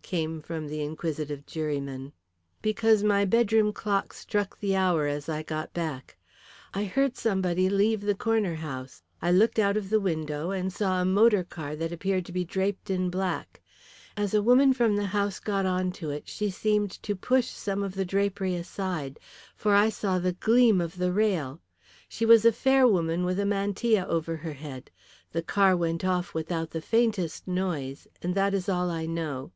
came from the inquisitive juryman, "Because my bedroom clock struck the hour as I got back. I heard somebody leave the corner house. I looked out of the window and saw a motor car that appeared to be draped in black. As a woman from the house got on to it she seemed to push some of the drapery aside, for I saw the gleam of the rail. She was a fair woman with a mantilla over her head. The car went off without the faintest noise, and that is all I know."